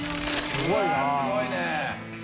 すごいね。